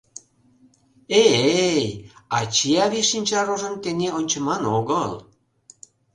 — Э-э-эй, ачий-авий шинчарожым тений ончыман огыл.